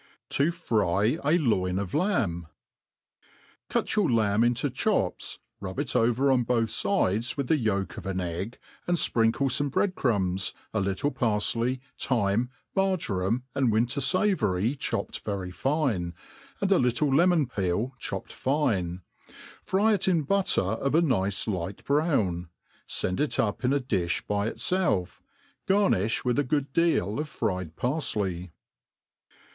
To fry a Loin fjf Lamh* CUT your bmh into chopts, rub it oyer 00 both fides with the ^olk of an egg, and fprinkle foorve bread crumbs, a littk parfley, thyme, eafjoram, and winter* fayory cbopp^^ ^^'¥ fine, and a little lemon* peel chopped fif>e; fry it in butter of a nice light brown, fend it up in a di£b by iifelf. Garni£^ ivit^ a good deal of fried parfley.